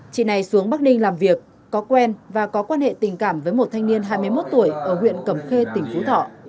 chị này xuống bắc ninh làm việc có quen và có quan hệ tình cảm với một thanh niên hai mươi một tuổi ở huyện cẩm khê tỉnh phú thọ